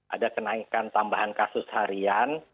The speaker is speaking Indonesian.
ada kenaikan tambahan kasus harian